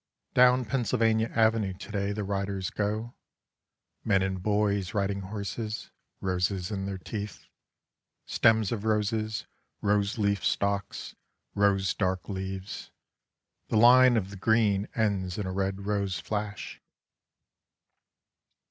Down Pennsylvania Avenue to day the riders go, men and boys riding horses, roses in their teeth, stems of roses, rose leaf stalks, rose dark leaves the line of the green ends in a red rose flash.